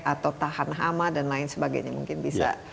atau tahan hama dan lain sebagainya mungkin bisa